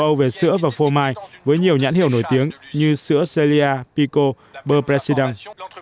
âu về sữa và phô mai với nhiều nhãn hiệu nổi tiếng như sữa celia pico beurre presidant